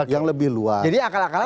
yang lebih luas